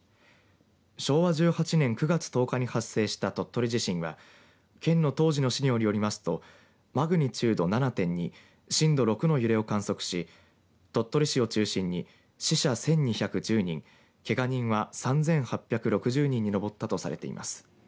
昭和１８年９月１０日に発生した鳥取地震は県の当時の資料によりますとマグニチュード７．２震度６の揺れを観測し鳥取市を中心に死者１２１０人けが人は３８６０人に上ったとされています。